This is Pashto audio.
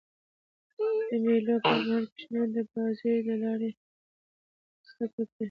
د مېلو پر مهال کوچنيان د بازيو له لاري زدهکړه کوي.